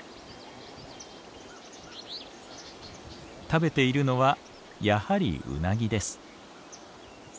食べているのはやはりウナギです。